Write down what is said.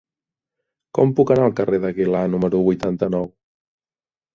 Com puc anar al carrer d'Aguilar número vuitanta-nou?